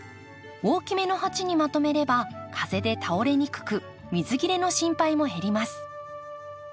大きめの鉢にまとめれば風で倒れにくく水切れの心配も減ります。